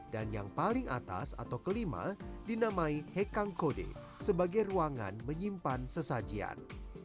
dan yang paling atas atau kelima dinamai hekang kode sebagai ruangan menyimpan sesajar